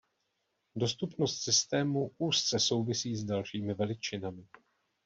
Dostupnost systému úzce souvisí s dalšími veličinami.